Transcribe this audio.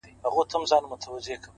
• نو گراني تاته وايم؛